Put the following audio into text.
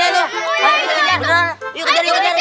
ayo kejar kejar kejar